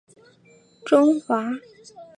中华卫矛是卫矛科卫矛属的植物。